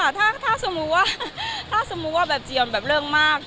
ใช่ค่ะไม่ค่ะถ้าสมมุติว่าถ้าสมมุติว่าแบบเจียนแบบเรื่องมาก